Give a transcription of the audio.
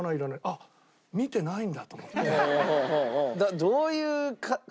あっ見てないんだと思って。